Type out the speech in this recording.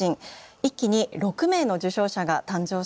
一気に６名の受賞者が誕生しました。